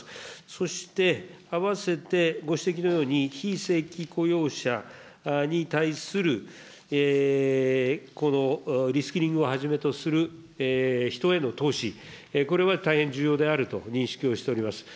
そしてあわせて、ご指摘のように、非正規雇用者に対するリスキリングをはじめとする、人への投資、これは大変重要であると認識をしております。